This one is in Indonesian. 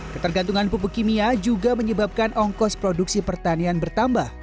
ketergantungan pupuk kimia juga menyebabkan ongkos produksi pertanian bertambah